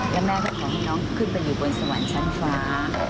แล้วแม่ก็ขอให้น้องขึ้นไปอยู่บนสวรรค์ชั้นฟ้า